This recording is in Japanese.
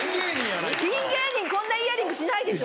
ピン芸人こんなイヤリングしないでしょ。